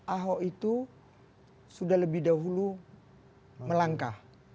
ahok itu sudah lebih dahulu melangkah